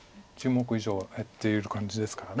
１０目以上は減っている感じですから。